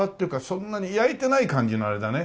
そんなに焼いてない感じのあれだね。